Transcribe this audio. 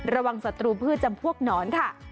ระวังสัตว์ตรูพืชจำพวกหนอนค่ะ